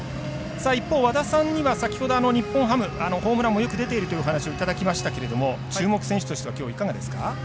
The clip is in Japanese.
一方、和田さんには先ほど日本ハム、ホームランもよく出ているという話いただきましたけれども注目選手としてはきょうはいかがですか？